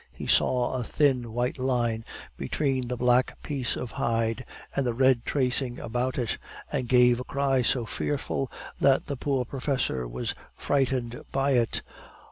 He saw a thin white line between the black piece of hide and the red tracing about it, and gave a cry so fearful that the poor professor was frightened by it.